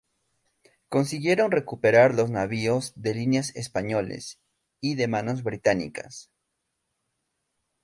Consiguieron recuperar los navíos de línea españoles y el de manos británicas.